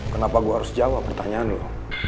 kenapa gua harus jawab pertanyaan lu